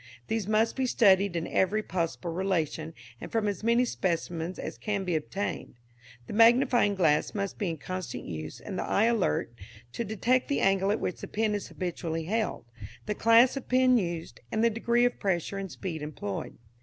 These must be studied in every possible relation, and from as many specimens as can be obtained. The magnifying glass must be in constant use and the eye alert to detect the angle at which the pen is habitually held, the class of pen used, and the degree of pressure and speed employed.